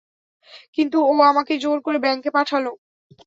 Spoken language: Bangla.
কিন্তু ও আমাকে জোর করে ব্যাংকে পাঠালো।